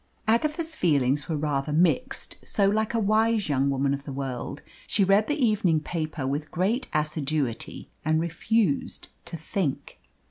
Agatha's feelings were rather mixed, so, like a wise young woman of the world, she read the evening paper with great assiduity and refused to think.